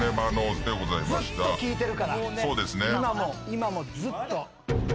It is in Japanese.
今もずっと。